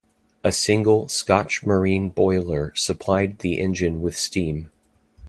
A single Scotch marine boiler supplied the engine with steam.